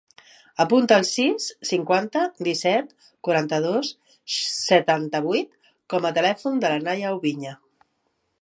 Apunta el sis, cinquanta, disset, quaranta-dos, setanta-vuit com a telèfon de la Naia Oubiña.